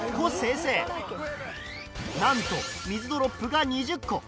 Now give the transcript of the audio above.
なんと水ドロップが２０個！